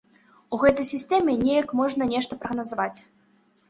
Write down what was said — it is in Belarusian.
У гэтай сістэме неяк можна нешта прагназаваць.